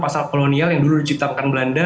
pasal kolonial yang dulu diciptakan belanda